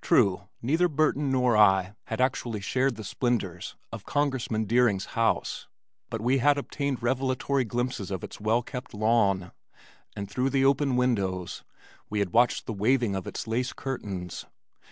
True, neither Burton nor I had actually shared the splendors of Congressman Deering's house but we had obtained revelatory glimpses of its well kept lawn, and through the open windows we had watched the waving of its lace curtains.